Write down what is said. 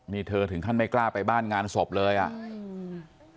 นี่เธอถึงขั้นไม่กล้าไปบ้านงานศพเลยอ่ะอืม